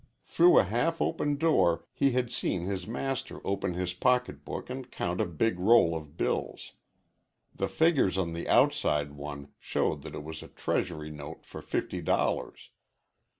Through a half open door he had seen his master open his pocket book and count a big roll of bills. The figures on the outside one showed that it was a treasury note for fifty dollars.